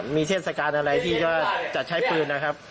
มีเทศกาลอะไรที่ก็จะใช้ปืนนะครับ